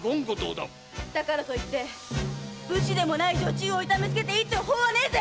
だからって武士でもない女中を痛めつけてもいいって法はないぜ。